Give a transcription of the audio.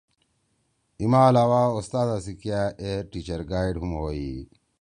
ای ما علاوہ اُستادا سی کیا اے ٹیچر گائیڈ ہُم ہوئی۔